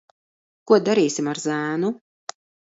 Ko darīsim ar zēnu?